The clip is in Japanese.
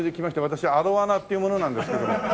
私アロワナっていう者なんですけども。